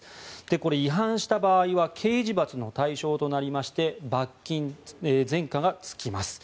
これ、違反した場合は刑事罰の対象となりまして罰金、前科がつきます。